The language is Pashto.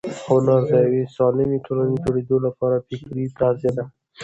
هنر د یوې سالمې ټولنې د جوړېدو لپاره فکري تغذیه ده.